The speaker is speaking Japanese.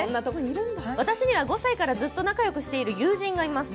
私には５歳からずっと仲よくしている友人がいます。